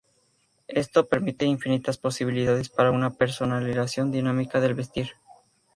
Esto permite infinitas posibilidades para una personalización dinámica del vestir.